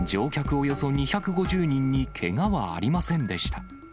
およそ２５０人にけがはありませんでした。